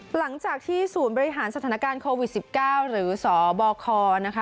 หลังจากที่ศูนย์บริหารสถานการณ์โควิด๑๙หรือสบคนะคะ